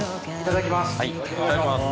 いただきます。